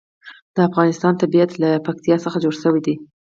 د افغانستان طبیعت له پکتیا څخه جوړ شوی دی.